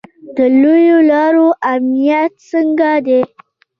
د لویو لارو امنیت څنګه دی؟